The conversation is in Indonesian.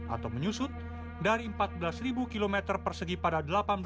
atau menyusut dari empat belas km persegi pada seribu delapan ratus delapan puluh